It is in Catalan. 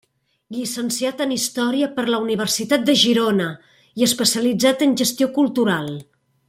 Llicenciat en Història per la Universitat de Girona i especialitzat en Gestió Cultural.